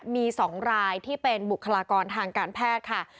มี๒รายที่เป็นบุคลากรทางการแพทย์ค่ะ